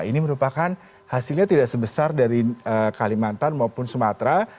ini merupakan hasilnya tidak sebesar dari kalimantan maupun sumatera